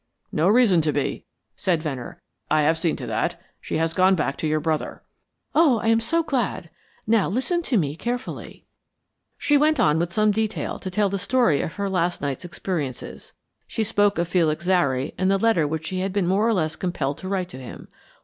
"No reason to be," said Venner. "I have seen to that. She has gone back to your brother." "Oh, I am so glad. Now listen to me carefully." She went on with some detail to tell the story of her last night's experiences. She spoke of Felix Zary and the letter which she had been more or less compelled to write to him.